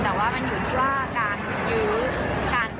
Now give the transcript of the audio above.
ก็ถือว่าแบบว่าลูกเกมเนี่ยก็คือสูงสีแต่ว่ามันอยู่ที่ว่าการยื้อการตี